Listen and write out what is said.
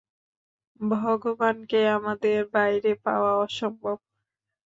ভগবানকে আমাদের বাইরে পাওয়া অসম্ভব।